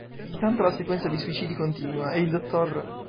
Intanto la sequenza di suicidi continua e il dott.